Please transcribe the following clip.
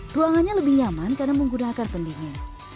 ruangannya lebih nyaman karena menggunakan pendingin